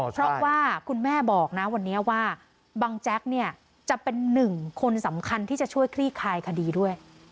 เพราะว่าคุณแม่บอกนะวันนี้ว่าบังแจ๊กเนี่ยจะเป็นหนึ่งคนสำคัญที่จะช่วยคลี่คลายคดีด้วย